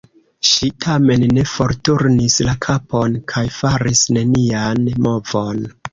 Ŝi tamen ne forturnis la kapon kaj faris nenian movon.